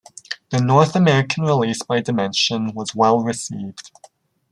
The North American release by Dimension was well received.